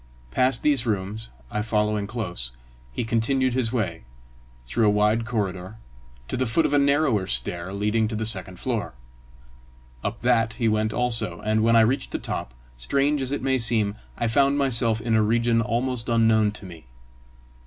Past these rooms, I following close, he continued his way, through a wide corridor, to the foot of a narrower stair leading to the second floor. Up that he went also, and when I reached the top, strange as it may seem, I found myself in a region almost unknown to me.